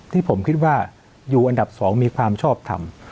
ที่ผมคิดว่าอยู่อันดับ๒มีความชอบทำ